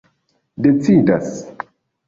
decidas